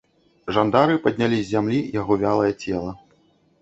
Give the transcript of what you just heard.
Жандары паднялі з зямлі яго вялае цела.